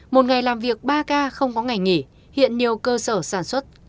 một ngày làm việc ba k không có ngày nghỉ hiện nhiều cơ sở sản xuất